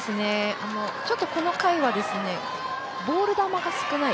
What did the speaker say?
ちょっと、この回はボール球が少ない。